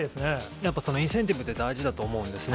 やっぱりそのインセンティブって大事だと思うんですね。